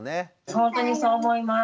ほんとにそう思います。